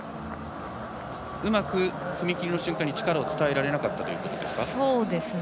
うまく、踏み切りの瞬間に力を伝えられなかったということですか。